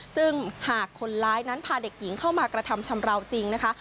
ซึ่งหากคนร้ายนั้นพาเด็กหญิงเข้ามากระทำชำราวจริงนะคะ